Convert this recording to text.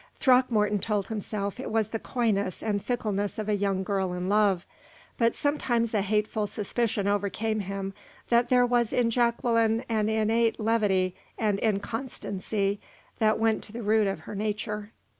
Throckmorton told himself it was the coyness and fickleness of a young girl in love; but sometimes a hateful suspicion overcame him that there was in Jacqueline an innate levity and inconstancy that went to the root of her nature.